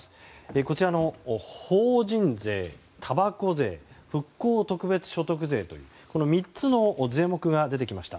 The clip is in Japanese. こちらの法人税、たばこ税復興特別所得税というこの３つの税目が出てきました。